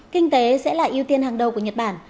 kinh tế sẽ là ưu tiên hàng đầu của nhật bản